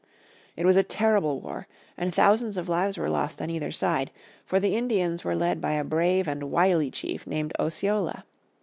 It was a terrible war and thousands of lives were lost on either side, for the Indians were led by a brave and wily chief named Osceola.